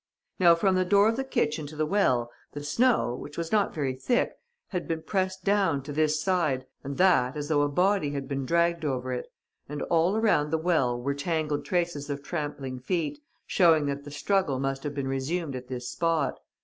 Now, from the door of the kitchen to the well, the snow, which was not very thick, had been pressed down to this side and that, as though a body had been dragged over it. And all around the well were tangled traces of trampling feet, showing that the struggle must have been resumed at this spot.